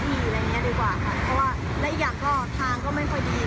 และอีกอย่างของทางก็ไม่ค่อยดี